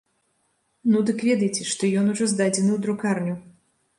Ну дык ведайце, што ён ужо здадзены ў друкарню.